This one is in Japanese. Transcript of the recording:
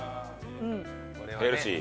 ヘルシー。